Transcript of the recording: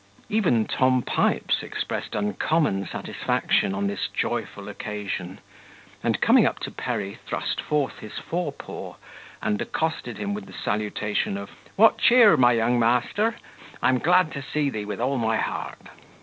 Even Tom Pipes expressed uncommon satisfaction on this joyful occasion; and, coming up to Perry, thrust forth his fore paw, and accosted him with the salutation of "What cheer, my young master? I am glad to see thee with all my heart."